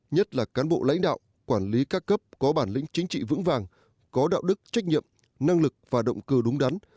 nhất là cán bộ lãnh đạo quản lý các cấp có bản lĩnh chính trị vững vàng có đạo đức trách nhiệm năng lực và động cơ đúng đắn